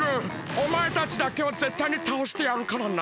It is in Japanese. おまえたちだけはぜったいにたおしてやるからな！